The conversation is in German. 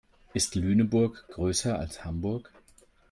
Ist Lüneburg größer als Hamburg?